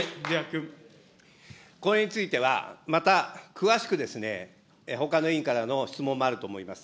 これについては、また詳しくですね、ほかの委員からの質問もあると思います。